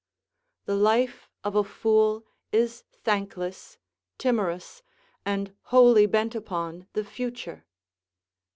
["The life of a fool is thankless, timorous, and wholly bent upon the future."